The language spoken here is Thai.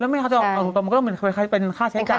แล้วไม่เขาจะออกมันก็ต้องเป็นค่าใช้จ่าย